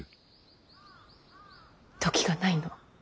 時がないの。